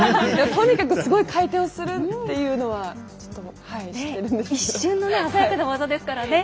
とにかくすごい回転をするっていうのは知ってるんですけど。